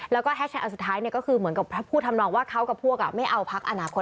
แล้วก็แฮชแท็กอันสุดท้ายก็คือเหมือนกับพูดทำนองว่าเขากับพวกไม่เอาพักอนาคต